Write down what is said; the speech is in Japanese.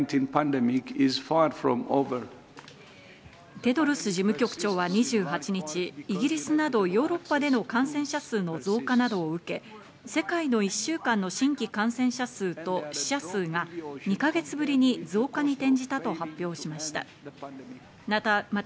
テドロス事務局長は２８日、イギリスなどヨーロッパでの感染者数の増加などを受け、世界の１週間の新規感染者数と死者数が２か月ぶりに増加に転じたと発表しました。